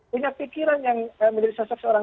punya pikiran yang menjadi seseorang